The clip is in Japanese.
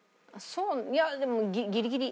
そういやでもギリギリ。